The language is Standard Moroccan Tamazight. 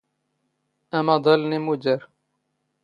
ⴰⵎⴰⴹⴰⵍ ⵏ ⵉⵎⵓⴷⴰⵔ